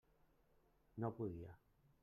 No podia.